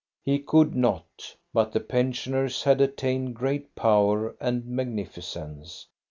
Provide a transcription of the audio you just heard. He could not. But the pensioners had attained great power and magnificence.